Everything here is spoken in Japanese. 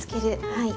はい。